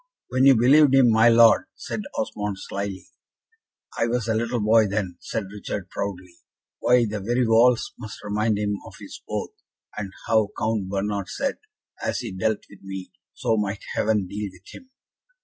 "When you believed him, my Lord," said Osmond, slyly. "I was a little boy then," said Richard, proudly. "Why, the very walls must remind him of his oath, and how Count Bernard said, as he dealt with me, so might Heaven deal with him."